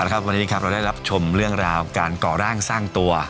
วันนี้ครับเราได้รับชมเรื่องราวการก่อร่างสร้างตัว